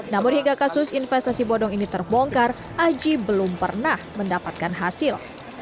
namun hingga kasus investasi bodong ini terbongkar aji belum pernah mendapatkan hasil